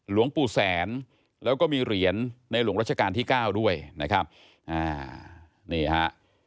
หลวงปู่แสนแล้วก็มีเหรียญในหลวงรัชกาลที่เก้าด้วยนะครับอ่านี่ฮะ